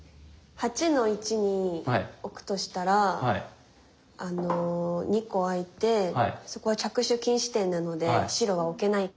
８の一に置くとしたらあの２個空いてそこは着手禁止点なので白は置けない。